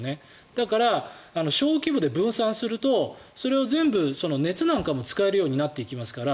だから、小規模で分散するとそれを全部、熱なんかも使えるようになっていきますから。